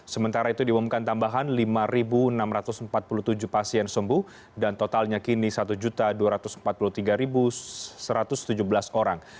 sementara itu diumumkan tambahan lima enam ratus empat puluh tujuh pasien sembuh dan totalnya kini satu dua ratus empat puluh tiga satu ratus tujuh belas orang